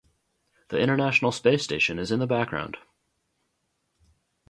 The International Space Station is in the background.